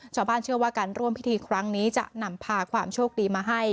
ชาวบ้านเชื่อว่าการร่วมพิธีครั้งนี้จะนำพาความโชคดีมาให้